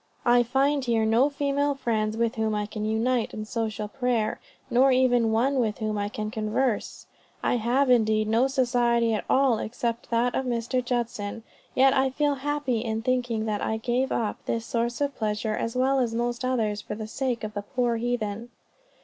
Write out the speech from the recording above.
"I find here no female friends with whom I can unite in social prayer, nor even one with whom I can converse. I have, indeed, no society at all except that of Mr. Judson, yet I feel happy in thinking that I gave up this source of pleasure, as well as most others, for the sake of the poor heathen."